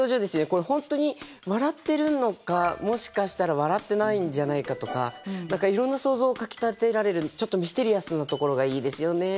これ本当に笑ってるのかもしかしたら笑ってないんじゃないかとか何かいろんな想像をかきたてられるちょっとミステリアスなところがいいですよね。